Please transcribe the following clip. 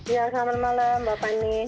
ya selamat malam mbak fani